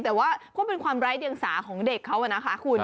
แต่ว่าเป็นความไรเกิดยังสาของเด็กของนะคะ